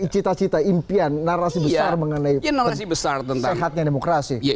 cita cita impian narasi besar mengenai sehatnya demokrasi